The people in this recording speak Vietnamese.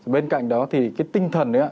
bên cạnh đó thì cái tinh thần